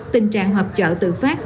tình trạng hợp trợ tự phát